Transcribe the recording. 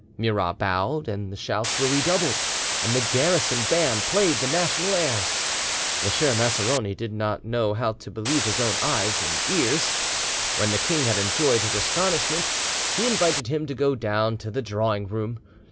Murat bowed, and the shouts were redoubled, and the garrison band played the national airs. M. Maceroni did not know how to believe his own eyes and ears. When the king had enjoyed his astonishment, he invited him to go down to the drawing room.